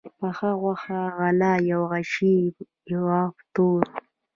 پخه غوښه، غله، يو غشى، يوه توره